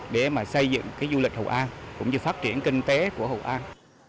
để mà xây dựng du lịch hội an cũng như phát triển kinh tế của hội an